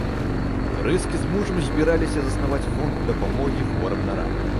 Фрыске з мужам збіраліся заснаваць фонд дапамогі хворым на рак.